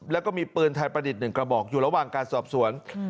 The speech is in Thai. แล้วก็มีปืนไทยประดิษฐ์๑กระบอกอยู่ระหว่างการสอบสวน